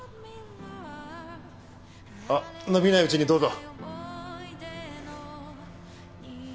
あっ伸びないうちにどうぞ。